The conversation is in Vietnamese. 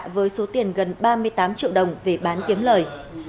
với số tiền gần ba mươi tám triệu đồng về bán kiếm lời